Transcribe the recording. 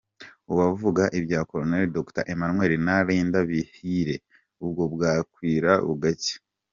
– Uwavuga ibya Colonel Dr Emmanuel na Linda Bihire bwo bwakwira bugacya!